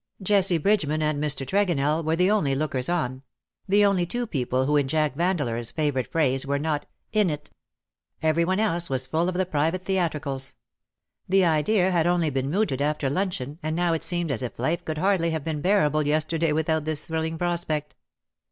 Jessie Bridgeman and Mr. Tregonell were the only lookers on — the only two people who in Jack Vandeleur's favourite phrase were not '^ in it/' Every one else was full of the private theatricals. The idea had only been mooted after luncheon, and now it seemed as if life could hardly have been bearable yesterday without this thrilling prospect.